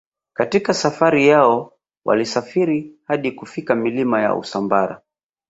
Katika safari yao walisafiri hadi kufika milima ya Usambara